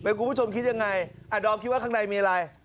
เมื่อกลุ่มผู้ชมคิดยังไงอะดอมคิดว่าข้างในมีอะไร